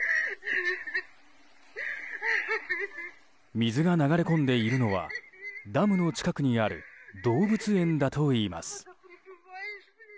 水が流れ込んでいるのはダムの近くにある動物園だといいます。